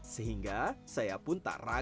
sehingga saya pun tarah